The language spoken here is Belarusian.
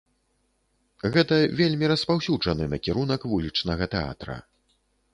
Гэта вельмі распаўсюджаны накірунак вулічнага тэатра.